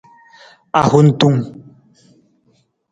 Ahuntung.